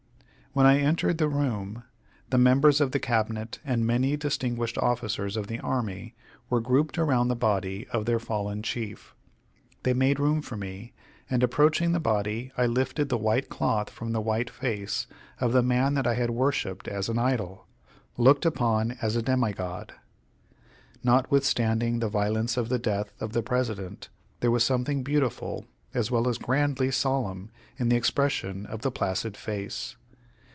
When I entered the room, the members of the Cabinet and many distinguished officers of the army were grouped around the body of their fallen chief. They made room for me, and, approaching the body, I lifted the white cloth from the white face of the man that I had worshipped as an idol looked upon as a demi god. Notwithstanding the violence of the death of the President, there was something beautiful as well as grandly solemn in the expression of the placid face.